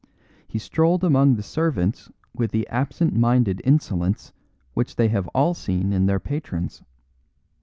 He strolled among the servants with the absent minded insolence which they have all seen in their patrons.